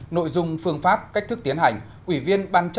ba nội dung phương pháp cách thức tiến hành